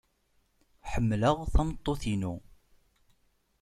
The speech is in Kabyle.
Ḥemmleɣ tameṭṭut-inu.